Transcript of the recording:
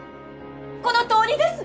このとおりです！